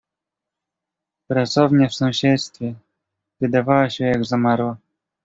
"Pracownia w sąsiedztwie wydawała się jak zamarła."